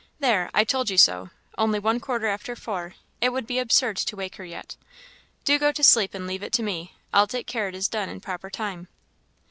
"There! I told you so only one quarter after four; it would be absurd to wake her yet. Do go to sleep, and leave it to me; I'll take care it is done in proper time."